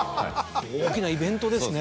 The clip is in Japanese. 大きなイベントですね。